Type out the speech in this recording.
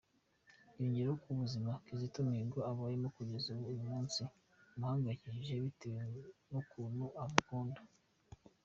Yongeyeho ko ubuzima Kizito Mihigo abayemo kugeza uyu munsi bumuhangayikishije bitewe n’ukuntu amukunda.